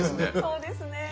そうですね。